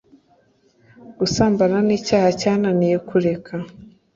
Gusambana nicyaha cyananiye kureka